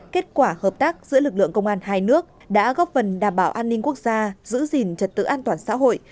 kết quả hợp tác giữa lực lượng công an hai nước đã góp phần đảm bảo an ninh quốc gia giữ gìn trật tự an toàn xã hội